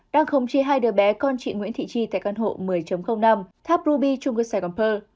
đang khống chế hai đứa bé con chị nguyễn thị chi tại căn hộ một mươi năm tháp ruby trung cư sài gòn pơ